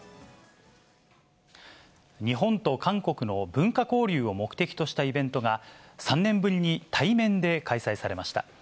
日本と韓国の文化交流を目的としたイベントが、３年ぶりに対面で開催されました。